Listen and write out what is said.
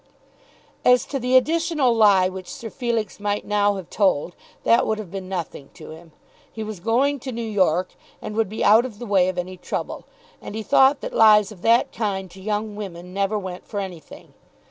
As to the additional lie which Sir Felix might now have told, that would have been nothing to him. He was going to New York, and would be out of the way of any trouble; and he thought that lies of that kind to young women never went for anything.